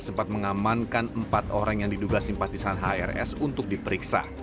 sempat mengamankan empat orang yang diduga simpatisan hrs untuk diperiksa